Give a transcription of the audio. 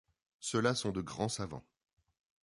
Ceux-là sont de grands savants.